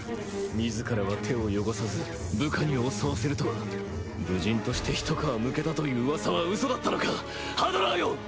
自らは手を汚さず部下に襲わせるとは武人として一皮むけたという噂はウソだったのかハドラーよ！